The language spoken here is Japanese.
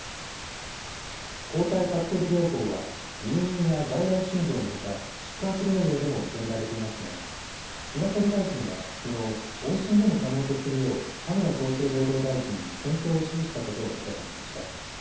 抗体カクテル療法は入院や外来診療のほか宿泊療養でも認められていますが菅総理大臣はきのう、往診でも可能とするよう田村厚生労働大臣に検討を指示したことを明らかにしました。